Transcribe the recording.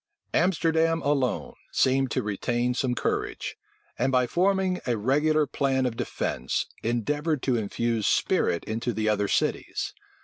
Amsterdam alone seemed to retain some courage; and by forming a regular plan of defence, endeavored to infuse spirit into the other cities.